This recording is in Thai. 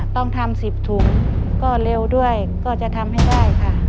ต้องทำ๑๐ถุงก็เร็วด้วยก็จะทำให้ได้ค่ะ